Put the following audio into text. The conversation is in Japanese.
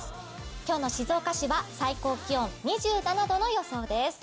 今日の静岡市は最高気温２７度の予想です。